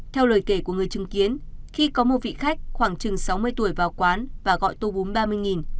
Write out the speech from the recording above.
theo lời kể của người chứng kiến khi có một vị khách khoảng chừng sáu mươi tuổi vào quán và gọi tour búm ba mươi